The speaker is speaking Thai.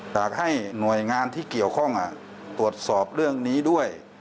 อยากให้หน่วยงานที่เกี่ยวข้องตรวจสอบเรื่องนี้ด้วย